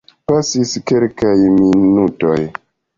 Pasis kelkaj minutoj.